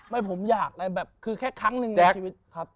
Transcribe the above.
ไม่ผมอยากแบบแค่ครั้งหนึ่งในชีวิต